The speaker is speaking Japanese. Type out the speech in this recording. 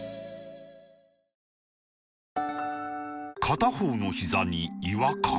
片方のひざに違和感